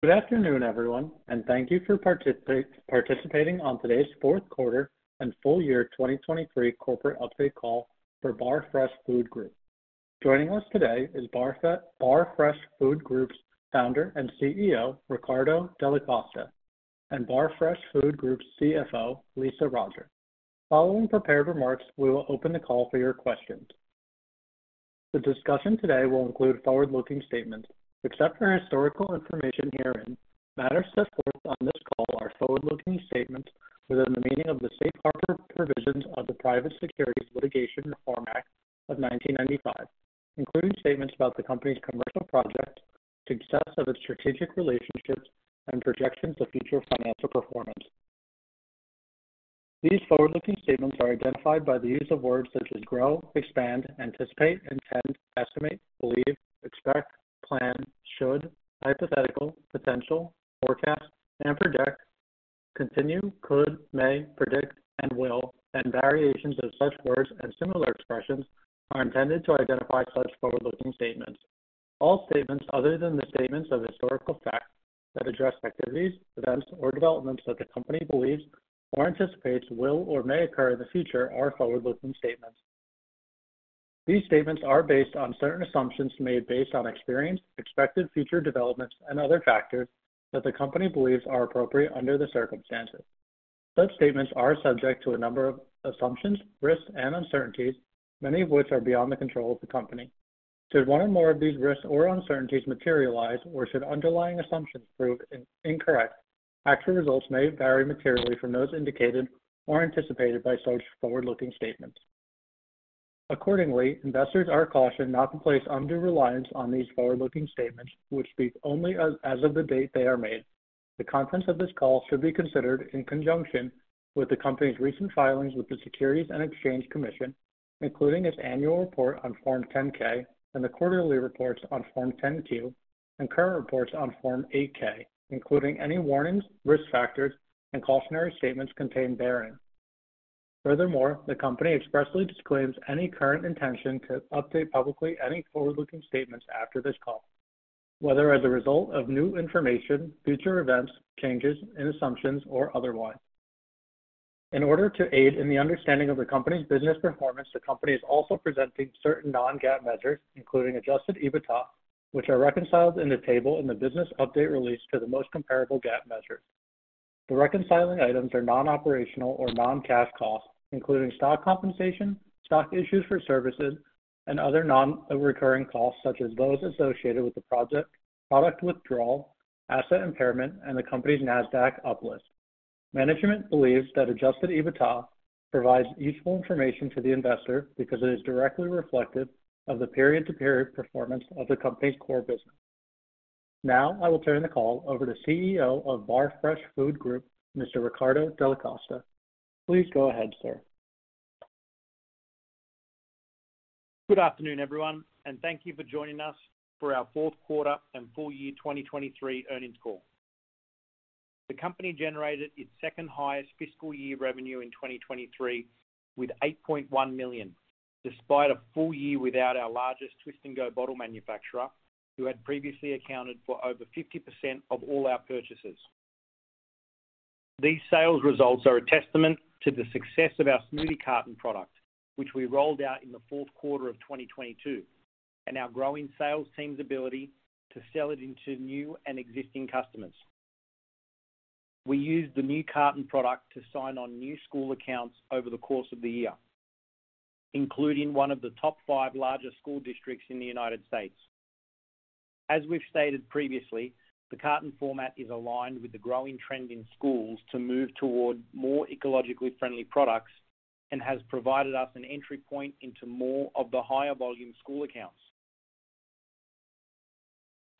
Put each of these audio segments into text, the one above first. Good afternoon, everyone, and thank you for participating on today's fourth quarter and full year 2023 corporate update call for Barfresh Food Group. Joining us today is Barfresh Food Group's founder and CEO Riccardo Delle Coste, and Barfresh Food Group's CFO Lisa Roger. Following prepared remarks, we will open the call for your questions. The discussion today will include forward-looking statements. Except for historical information herein, matters set forth on this call are forward-looking statements within the meaning of the safe harbor provisions of the Private Securities Litigation Reform Act of 1995, including statements about the company's commercial projects, success of its strategic relationships, and projections of future financial performance. These forward-looking statements are identified by the use of words such as grow, expand, anticipate, intend, estimate, believe, expect, plan, should, hypothetical, potential, forecast, and predict. Contain, could, may, predict, and will, and variations of such words and similar expressions are intended to identify such forward-looking statements. All statements other than the statements of historical fact that address activities, events, or developments that the company believes, or anticipates will or may occur in the future are forward-looking statements. These statements are based on certain assumptions made based on experience, expected future developments, and other factors that the company believes are appropriate under the circumstances. Such statements are subject to a number of assumptions, risks, and uncertainties, many of which are beyond the control of the company. Should one or more of these risks or uncertainties materialize, or should underlying assumptions prove incorrect, actual results may vary materially from those indicated or anticipated by such forward-looking statements. Accordingly, investors are cautioned not to place undue reliance on these forward-looking statements, which speak only as of the date they are made. The contents of this call should be considered in conjunction with the company's recent filings with the Securities and Exchange Commission, including its annual report on Form 10-K and the quarterly reports on Form 10-Q and current reports on Form 8-K, including any warnings, risk factors, and cautionary statements contained therein. Furthermore, the company expressly disclaims any current intention to update publicly any forward-looking statements after this call, whether as a result of new information, future events, changes in assumptions, or otherwise. In order to aid in the understanding of the company's business performance, the company is also presenting certain non-GAAP measures, including adjusted EBITDA, which are reconciled in the table in the business update release to the most comparable GAAP measures. The reconciling items are non-operational or non-cash costs, including stock compensation, stock issues for services, and other non-recurring costs such as those associated with the project, product withdrawal, asset impairment, and the company's NASDAQ uplist. Management believes that adjusted EBITDA provides useful information to the investor because it is directly reflective of the period-to-period performance of the company's core business. Now I will turn the call over to CEO of Barfresh Food Group, Mr. Riccardo Delle Coste. Please go ahead, sir. Good afternoon, everyone, and thank you for joining us for our fourth quarter and full year 2023 earnings call. The company generated its second highest fiscal year revenue in 2023 with $8.1 million, despite a full year without our largest Twist & Go bottle manufacturer who had previously accounted for over 50% of all our purchases. These sales results are a testament to the success of our smoothie carton product, which we rolled out in the fourth quarter of 2022, and our growing sales team's ability to sell it into new and existing customers. We used the new carton product to sign on new school accounts over the course of the year, including one of the top five largest school districts in the United States. As we've stated previously, the carton format is aligned with the growing trend in schools to move toward more ecologically friendly products and has provided us an entry point into more of the higher volume school accounts.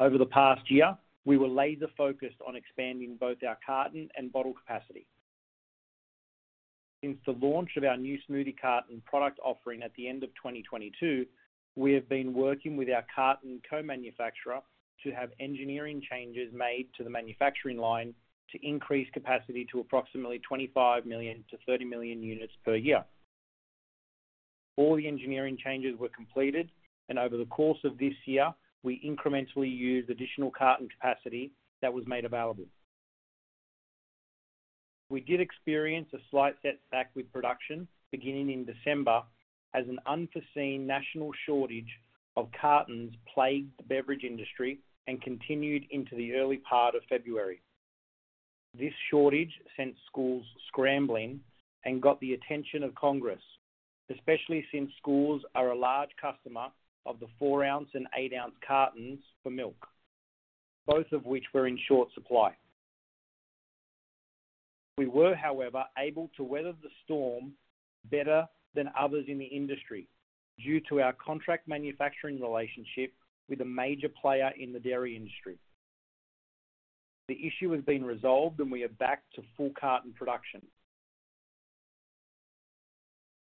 Over the past year, we were laser-focused on expanding both our carton and bottle capacity. Since the launch of our new smoothie carton product offering at the end of 2022, we have been working with our carton co-manufacturer to have engineering changes made to the manufacturing line to increase capacity to approximately 25 million-30 million units per year. All the engineering changes were completed, and over the course of this year, we incrementally used additional carton capacity that was made available. We did experience a slight setback with production beginning in December as an unforeseen national shortage of cartons plagued the beverage industry and continued into the early part of February. This shortage sent schools scrambling and got the attention of Congress, especially since schools are a large customer of the 4 oz and 8 oz cartons for milk, both of which were in short supply. We were, however, able to weather the storm better than others in the industry due to our contract manufacturing relationship with a major player in the dairy industry. The issue has been resolved, and we are back to full carton production.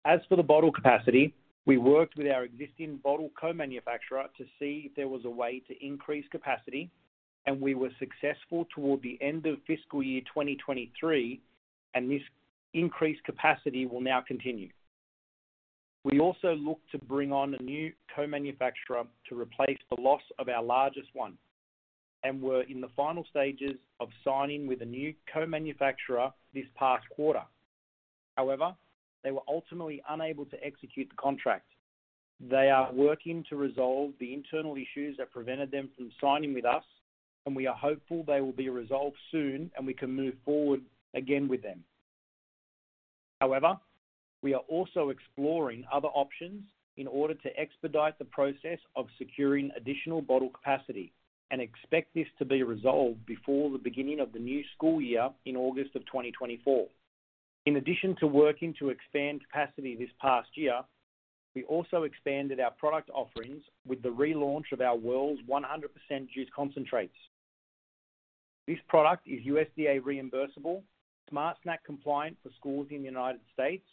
As for the bottle capacity, we worked with our existing bottle co-manufacturer to see if there was a way to increase capacity, and we were successful toward the end of fiscal year 2023, and this increased capacity will now continue. We also looked to bring on a new co-manufacturer to replace the loss of our largest one and were in the final stages of signing with a new co-manufacturer this past quarter. However, they were ultimately unable to execute the contract. They are working to resolve the internal issues that prevented them from signing with us, and we are hopeful they will be resolved soon and we can move forward again with them. However, we are also exploring other options in order to expedite the process of securing additional bottle capacity and expect this to be resolved before the beginning of the new school year in August of 2024. In addition to working to expand capacity this past year, we also expanded our product offerings with the relaunch of our WHIRLZ 100% Juice Concentrates. This product is USDA reimbursable, Smart Snack-compliant for schools in the United States,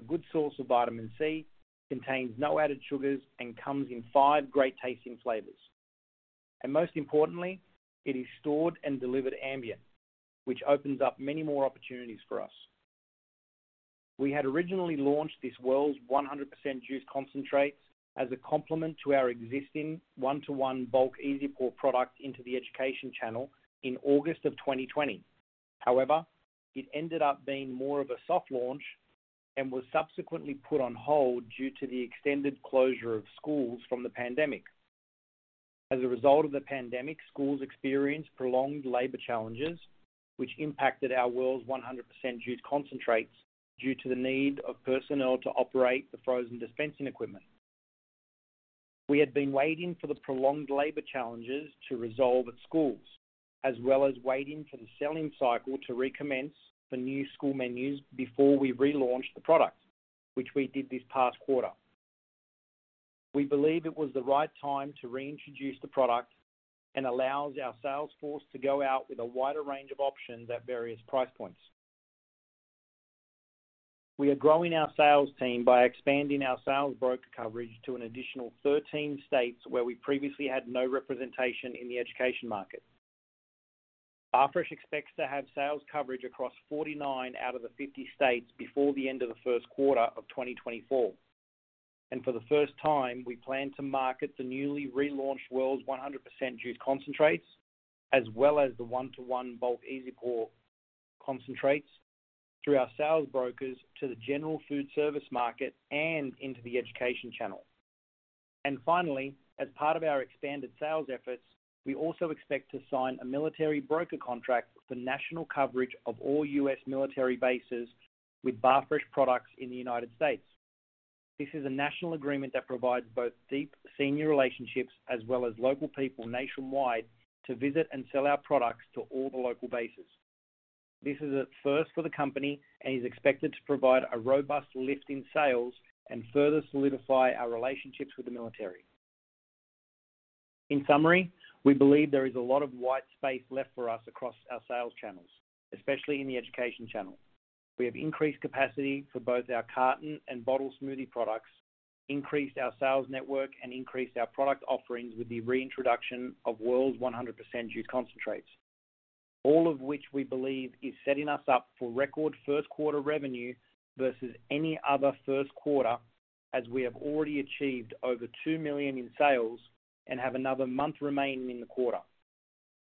a good source of vitamin C, contains no added sugars, and comes in five great tasting flavors. And most importantly, it is stored and delivered ambient, which opens up many more opportunities for us. We had originally launched this WHIRLZ 100% Juice Concentrates as a complement to our existing 1:1 bulk Easy Pour product into the education channel in August of 2020. However, it ended up being more of a soft launch and was subsequently put on hold due to the extended closure of schools from the pandemic. As a result of the pandemic, schools experienced prolonged labor challenges, which impacted our WHIRLZ 100% Juice Concentrates due to the need of personnel to operate the frozen dispensing equipment. We had been waiting for the prolonged labor challenges to resolve at schools, as well as waiting for the selling cycle to recommence for new school menus before we relaunched the product, which we did this past quarter. We believe it was the right time to reintroduce the product and allows our sales force to go out with a wider range of options at various price points. We are growing our sales team by expanding our sales broker coverage to an additional 13 states where we previously had no representation in the education market. Barfresh expects to have sales coverage across 49 out of the 50 states before the end of the first quarter of 2024. For the first time, we plan to market the newly relaunched WHIRLZ 100% Juice Concentrates, as well as the one-to-one bulk Easy Pour concentrates through our sales brokers to the general food service market and into the education channel. And finally, as part of our expanded sales efforts, we also expect to sign a military broker contract for national coverage of all U.S. military bases with Barfresh products in the United States. This is a national agreement that provides both deep senior relationships as well as local people nationwide to visit and sell our products to all the local bases. This is a first for the company and is expected to provide a robust lift in sales and further solidify our relationships with the military. In summary, we believe there is a lot of white space left for us across our sales channels, especially in the education channel. We have increased capacity for both our carton and bottle smoothie products, increased our sales network, and increased our product offerings with the reintroduction of WHIRLZ 100% Juice Concentrates, all of which we believe is setting us up for record first quarter revenue versus any other first quarter, as we have already achieved over $2 million in sales and have another month remaining in the quarter.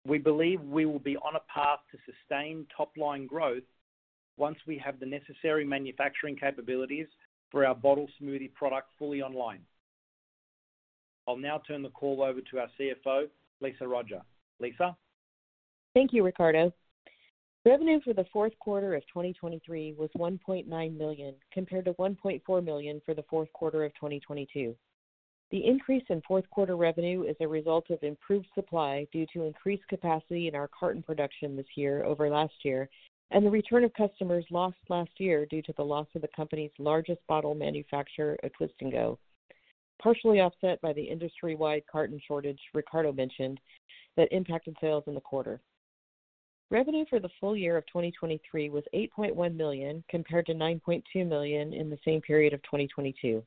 We believe we will be on a path to sustained top-line growth once we have the necessary manufacturing capabilities for our bottle smoothie product fully online. I'll now turn the call over to our CFO, Lisa Roger. Lisa. Thank you, Riccardo. Revenue for the fourth quarter of 2023 was $1.9 million compared to $1.4 million for the fourth quarter of 2022. The increase in fourth quarter revenue is a result of improved supply due to increased capacity in our carton production this year over last year and the return of customers lost last year due to the loss of the company's largest bottle manufacturer, a Twist & Go, partially offset by the industry-wide carton shortage Riccardo mentioned that impacted sales in the quarter. Revenue for the full year of 2023 was $8.1 million compared to $9.2 million in the same period of 2022.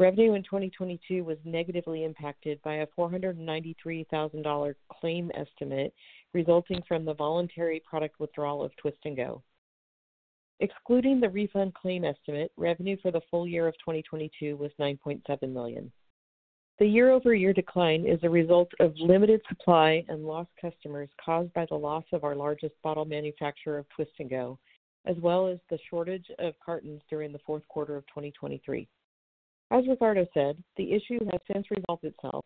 Revenue in 2022 was negatively impacted by a $493,000 claim estimate resulting from the voluntary product withdrawal of Twist & Go. Excluding the refund claim estimate, revenue for the full year of 2022 was $9.7 million. The year-over-year decline is a result of limited supply and lost customers caused by the loss of our largest bottle manufacturer of Twist & Go, as well as the shortage of cartons during the fourth quarter of 2023. As Riccardo said, the issue has since resolved itself.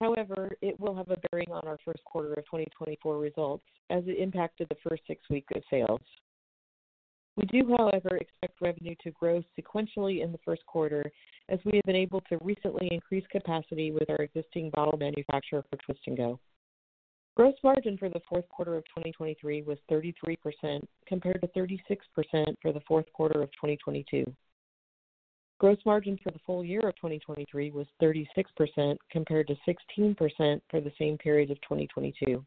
However, it will have a bearing on our first quarter of 2024 results as it impacted the first six weeks of sales. We do, however, expect revenue to grow sequentially in the first quarter, as we have been able to recently increase capacity with our existing bottle manufacturer for Twist & Go. Gross margin for the fourth quarter of 2023 was 33% compared to 36% for the fourth quarter of 2022. Gross margin for the full year of 2023 was 36% compared to 16% for the same period of 2022.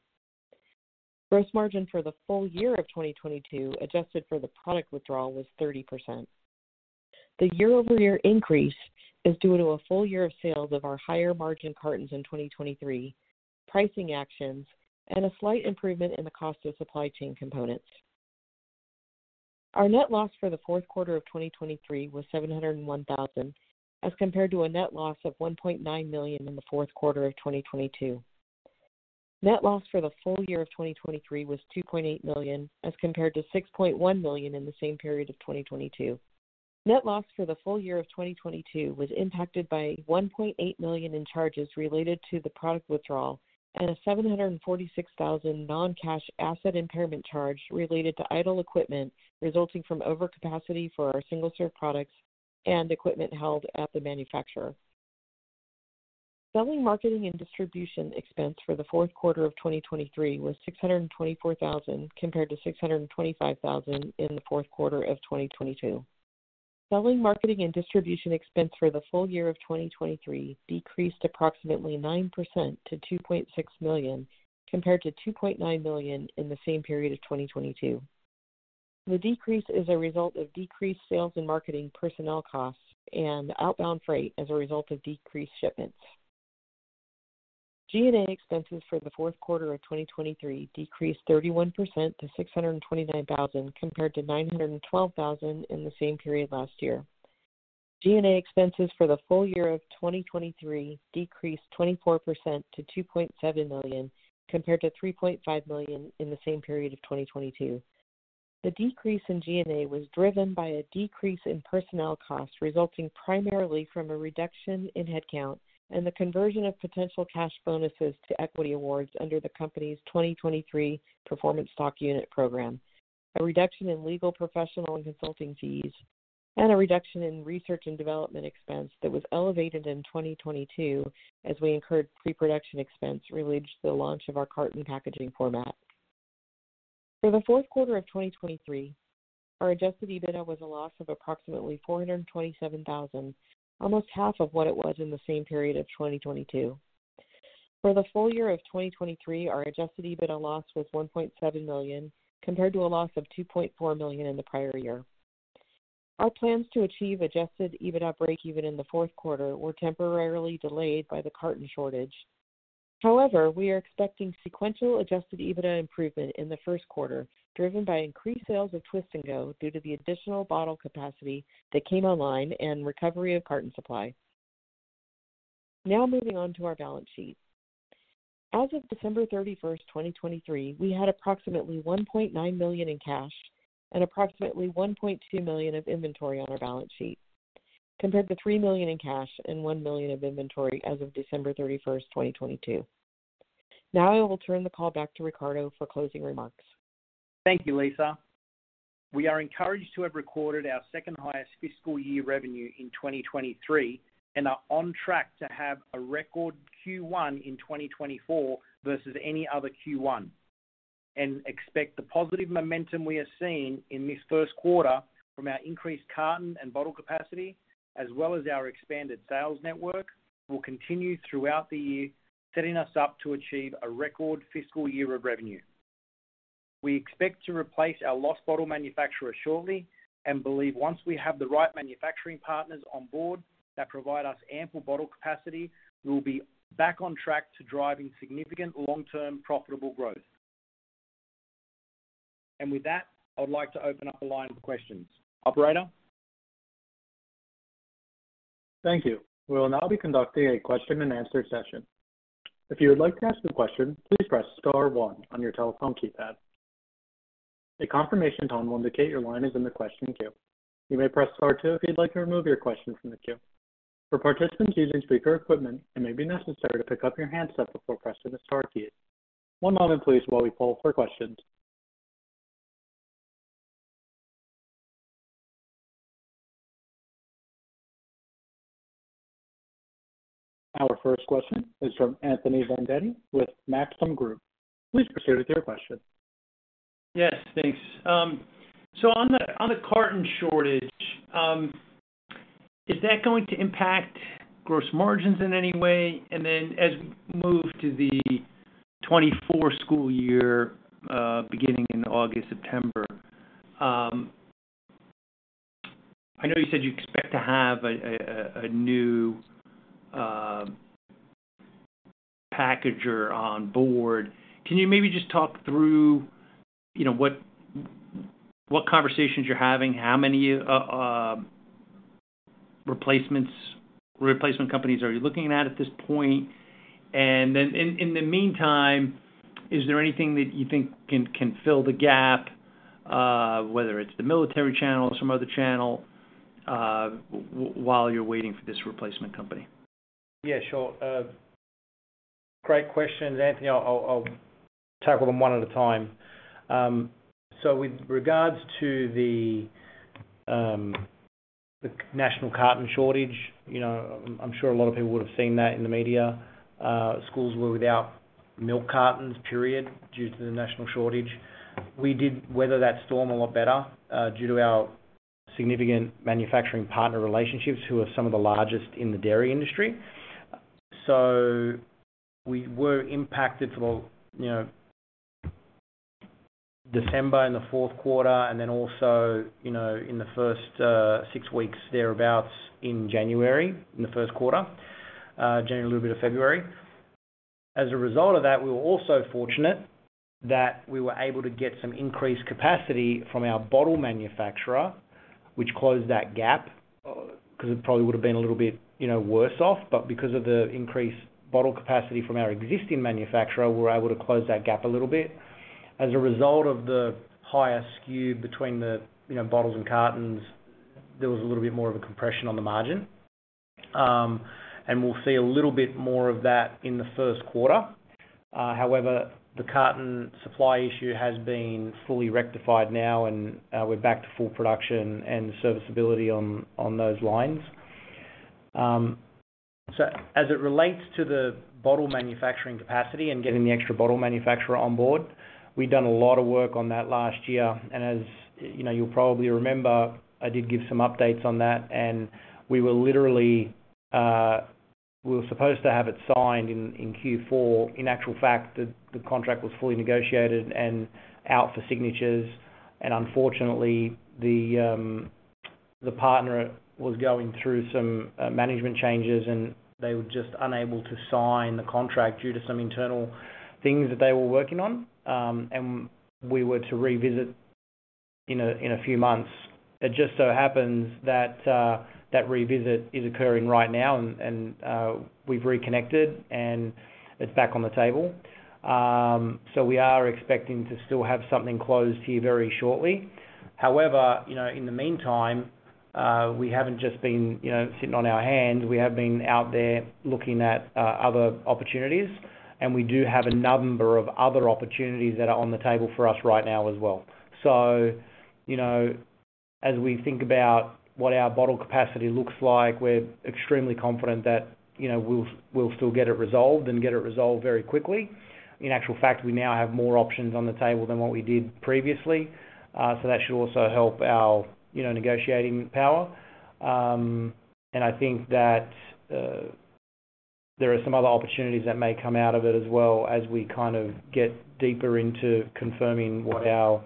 Gross margin for the full year of 2022 adjusted for the product withdrawal was 30%. The year-over-year increase is due to a full year of sales of our higher margin cartons in 2023, pricing actions, and a slight improvement in the cost of supply chain components. Our net loss for the fourth quarter of 2023 was $701,000 as compared to a net loss of $1.9 million in the fourth quarter of 2022. Net loss for the full year of 2023 was $2.8 million as compared to $6.1 million in the same period of 2022. Net loss for the full year of 2022 was impacted by $1.8 million in charges related to the product withdrawal and a $746,000 non-cash asset impairment charge related to idle equipment resulting from overcapacity for our single-serve products and equipment held at the manufacturer. Selling, marketing, and distribution expense for the fourth quarter of 2023 was $624,000 compared to $625,000 in the fourth quarter of 2022. Selling, marketing, and distribution expense for the full year of 2023 decreased approximately 9% to $2.6 million compared to $2.9 million in the same period of 2022. The decrease is a result of decreased sales and marketing personnel costs and outbound freight as a result of decreased shipments. G&A expenses for the fourth quarter of 2023 decreased 31% to $629,000 compared to $912,000 in the same period last year. G&A expenses for the full year of 2023 decreased 24% to $2.7 million compared to $3.5 million in the same period of 2022. The decrease in G&A was driven by a decrease in personnel costs resulting primarily from a reduction in headcount and the conversion of potential cash bonuses to equity awards under the company's 2023 performance stock unit program, a reduction in legal professional and consulting fees, and a reduction in research and development expense that was elevated in 2022 as we incurred pre-production expense related to the launch of our carton packaging format. For the fourth quarter of 2023, our adjusted EBITDA was a loss of approximately $427,000, almost half of what it was in the same period of 2022. For the full year of 2023, our adjusted EBITDA loss was $1.7 million compared to a loss of $2.4 million in the prior year. Our plans to achieve adjusted EBITDA break-even in the fourth quarter were temporarily delayed by the carton shortage. However, we are expecting sequential adjusted EBITDA improvement in the first quarter driven by increased sales of Twist & Go due to the additional bottle capacity that came online and recovery of carton supply. Now moving on to our balance sheet. As of December 31st, 2023, we had approximately $1.9 million in cash and approximately $1.2 million of inventory on our balance sheet compared to $3 million in cash and $1 million of inventory as of December 31st, 2022. Now I will turn the call back to Riccardo for closing remarks. Thank you, Lisa. We are encouraged to have recorded our second-highest fiscal year revenue in 2023 and are on track to have a record Q1 in 2024 versus any other Q1, and expect the positive momentum we are seeing in this first quarter from our increased carton and bottle capacity, as well as our expanded sales network, will continue throughout the year, setting us up to achieve a record fiscal year of revenue. We expect to replace our lost bottle manufacturer shortly and believe once we have the right manufacturing partners on board that provide us ample bottle capacity, we will be back on track to driving significant long-term profitable growth. With that, I would like to open up the line for questions. Operator. Thank you. We will now be conducting a question-and-answer session. If you would like to ask a question, please press star one on your telephone keypad. A confirmation tone will indicate your line is in the question queue. You may press star one if you'd like to remove your question from the queue. For participants using speaker equipment, it may be necessary to pick up your handset before pressing the star keys. One moment, please, while we pull for questions. Our first question is from Anthony Vendetti with Maxim Group. Please proceed with your question. Yes, thanks. So on the carton shortage, is that going to impact gross margins in any way? And then as we move to the 2024 school year beginning in August, September, I know you said you expect to have a new packager on board. Can you maybe just talk through what conversations you're having, how many replacement companies are you looking at at this point? And then in the meantime, is there anything that you think can fill the gap, whether it's the military channel or some other channel, while you're waiting for this replacement company? Yeah, sure. Great questions. Anthony, I'll tackle them one at a time. So with regards to the national carton shortage, I'm sure a lot of people would have seen that in the media. Schools were without milk cartons, period, due to the national shortage. We did weather that storm a lot better due to our significant manufacturing partner relationships, who are some of the largest in the dairy industry. So we were impacted for December in the fourth quarter and then also in the first six weeks thereabouts in January, in the first quarter, generally a little bit of February. As a result of that, we were also fortunate that we were able to get some increased capacity from our bottle manufacturer, which closed that gap because it probably would have been a little bit worse off. But because of the increased bottle capacity from our existing manufacturer, we were able to close that gap a little bit. As a result of the higher skew between the bottles and cartons, there was a little bit more of a compression on the margin. We'll see a little bit more of that in the first quarter. However, the carton supply issue has been fully rectified now, and we're back to full production and serviceability on those lines. So as it relates to the bottle manufacturing capacity and getting the extra bottle manufacturer on board, we'd done a lot of work on that last year. As you'll probably remember, I did give some updates on that. We were literally supposed to have it signed in Q4. In actual fact, the contract was fully negotiated and out for signatures. Unfortunately, the partner was going through some management changes, and they were just unable to sign the contract due to some internal things that they were working on. We were to revisit in a few months. It just so happens that that revisit is occurring right now. We've reconnected, and it's back on the table. We are expecting to still have something closed here very shortly. However, in the meantime, we haven't just been sitting on our hands. We have been out there looking at other opportunities. We do have a number of other opportunities that are on the table for us right now as well. As we think about what our bottle capacity looks like, we're extremely confident that we'll still get it resolved and get it resolved very quickly. In actual fact, we now have more options on the table than what we did previously. That should also help our negotiating power. I think that there are some other opportunities that may come out of it as well as we kind of get deeper into confirming what our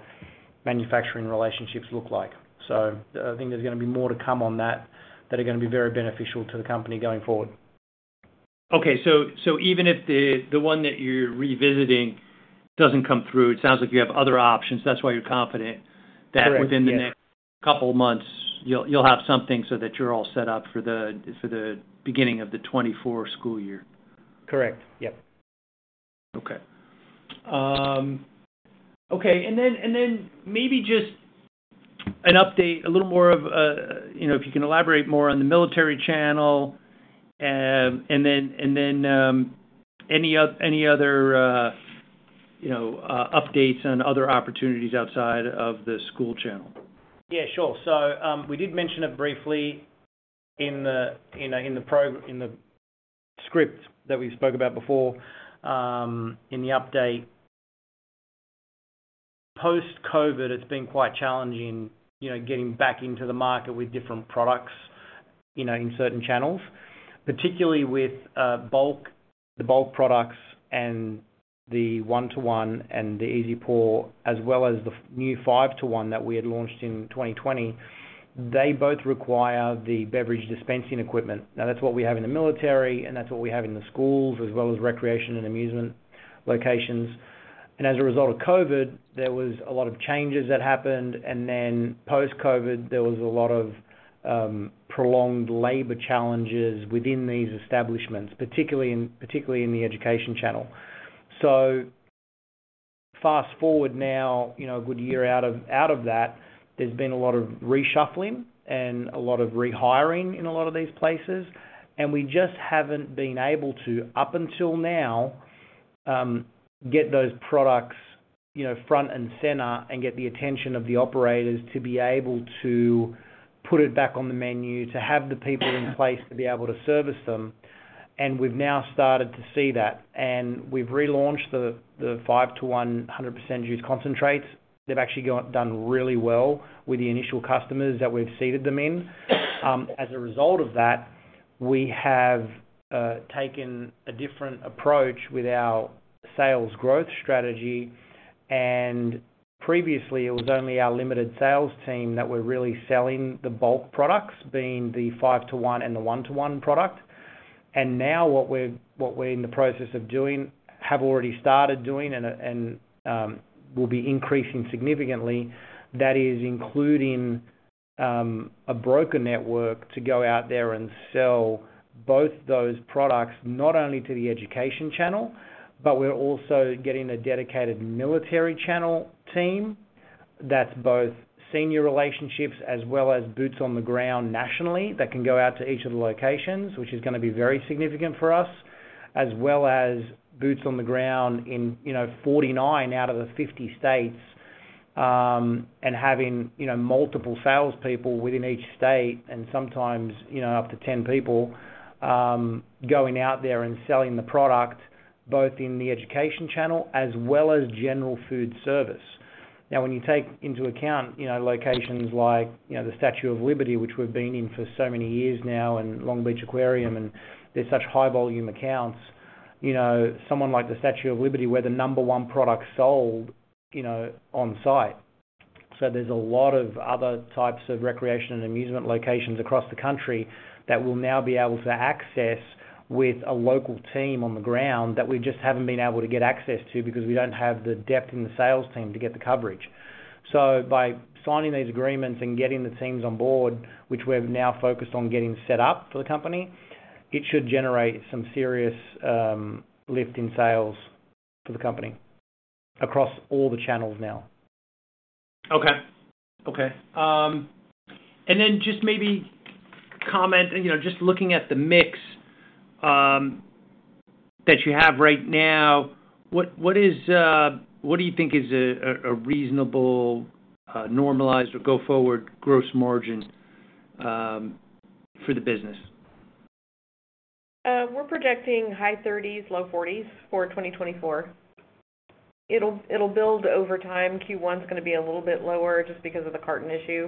manufacturing relationships look like. I think there's going to be more to come on that that are going to be very beneficial to the company going forward. Okay. Even if the one that you're revisiting doesn't come through, it sounds like you have other options. That's why you're confident that within the next couple of months, you'll have something so that you're all set up for the beginning of the 2024 school year. Correct. Yep. Okay. Okay. And then maybe just an update, a little more of if you can elaborate more on the military channel, and then any other updates on other opportunities outside of the school channel. Yeah, sure. So we did mention it briefly in the script that we spoke about before. In the update, post-COVID, it's been quite challenging getting back into the market with different products in certain channels, particularly with the bulk products and the 1:1 and the Easy Pour, as well as the new 5:1 that we had launched in 2020. They both require the beverage dispensing equipment. Now, that's what we have in the military, and that's what we have in the schools, as well as recreation and amusement locations. As a result of COVID, there was a lot of changes that happened. Then post-COVID, there was a lot of prolonged labor challenges within these establishments, particularly in the education channel. Fast forward now, a good year out of that, there's been a lot of reshuffling and a lot of rehiring in a lot of these places. We just haven't been able to, up until now, get those products front and center and get the attention of the operators to be able to put it back on the menu, to have the people in place to be able to service them. We've now started to see that. We've relaunched the 5:1 100% Juice Concentrates. They've actually done really well with the initial customers that we've seated them in. As a result of that, we have taken a different approach with our sales growth strategy. Previously, it was only our limited sales team that were really selling the bulk products, being the 5:1 and the 1:1 product. Now what we're in the process of doing, have already started doing and will be increasing significantly, that is including a broker network to go out there and sell both those products not only to the education channel, but we're also getting a dedicated military channel team that's both senior relationships as well as boots on the ground nationally that can go out to each of the locations, which is going to be very significant for us, as well as boots on the ground in 49 out of the 50 states and having multiple salespeople within each state and sometimes up to 10 people going out there and selling the product both in the education channel as well as general food service. Now, when you take into account locations like the Statue of Liberty, which we've been in for so many years now, and Long Beach Aquarium, and they're such high-volume accounts, someone like the Statue of Liberty where the number one product sold on-site. So there's a lot of other types of recreation and amusement locations across the country that we'll now be able to access with a local team on the ground that we just haven't been able to get access to because we don't have the depth in the sales team to get the coverage. So by signing these agreements and getting the teams on board, which we're now focused on getting set up for the company, it should generate some serious lift in sales for the company across all the channels now. Okay. Okay. Then just maybe comment, just looking at the mix that you have right now, what do you think is a reasonable, normalized, or go-forward gross margin for the business? We're projecting high 30s, low 40s for 2024. It'll build over time. Q1's going to be a little bit lower just because of the carton issue.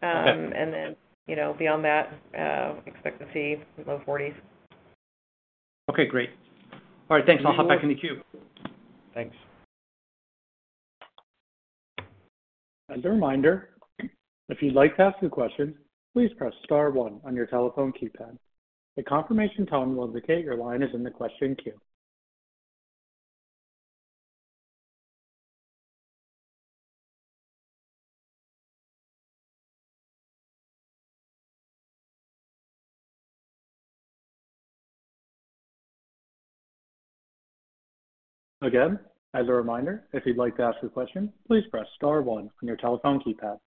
And then beyond that, expect to see low 40s. Okay. Great. All right. Thanks. I'll hop back in the queue. Thanks. As a reminder, if you'd like to ask a question, please press star one on your telephone keypad. A confirmation tone will indicate your line is in the question queue. Again, as a reminder, if you'd like to ask a question, please press star one on your telephone keypad.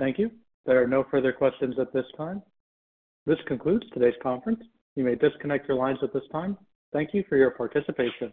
Thank you. There are no further questions at this time. This concludes today's conference. You may disconnect your lines at this time. Thank you for your participation.